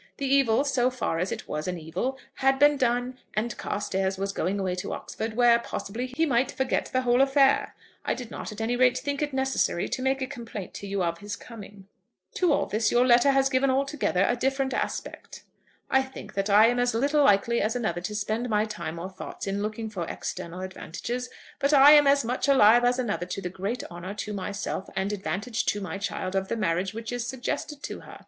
The evil, so far as it was an evil, had been done, and Carstairs was going away to Oxford, where, possibly, he might forget the whole affair. I did not, at any rate, think it necessary to make a complaint to you of his coming. "To all this your letter has given altogether a different aspect. I think that I am as little likely as another to spend my time or thoughts in looking for external advantages, but I am as much alive as another to the great honour to myself and advantage to my child of the marriage which is suggested to her.